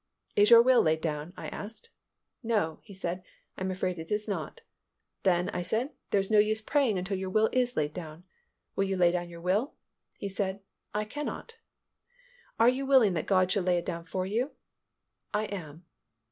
"Is your will laid down?" I asked. "No," he said, "I am afraid it is not." "Then," I said, "there is no use praying until your will is laid down. Will you lay down your will?" He said, "I cannot." "Are you willing that God should lay it down for you?" "I am."